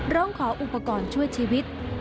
ร้องขออุปกรณ์ช่วยชีวิต